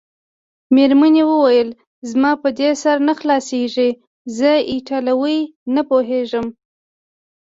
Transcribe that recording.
مېرمنې وویل: زما په دې سر نه خلاصیږي، زه ایټالوي نه پوهېږم.